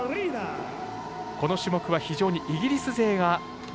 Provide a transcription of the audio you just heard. この種目は非常にイギリス勢が強い種目です。